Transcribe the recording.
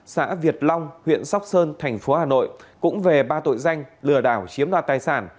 xã việt long huyện sóc sơn tp hà nội cũng về ba tội danh lừa đảo chiếm đo tài sản